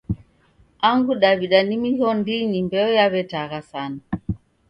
Angu Daw'ida ni mighondinyi mbeo yaw'etagha sana.